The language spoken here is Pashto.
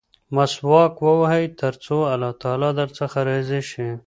مسواک ووهئ ترڅو الله تعالی درڅخه راضي شي.